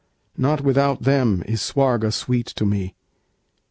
Not without them is Swarga sweet to me.